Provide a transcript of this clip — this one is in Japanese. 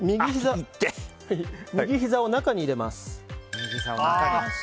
右ひざを中に入れます。